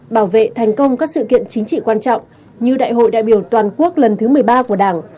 bảo vệ thành công các sự kiện chính trị quan trọng như đại hội đại biểu toàn quốc lần thứ một mươi ba của đảng